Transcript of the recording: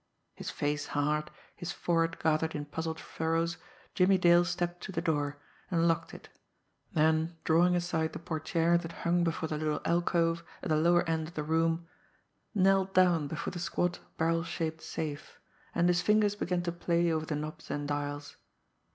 His face hard, his forehead gathered in puzzled furrows, Jimmie Dale stepped to the door, and locked it; then, drawing aside the portière that hung before the little alcove at the lower end of the room, knelt down before the squat, barrel shaped safe, and his fingers began to play over the knobs and dials.